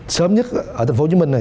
sớm nhất ở tp hcm này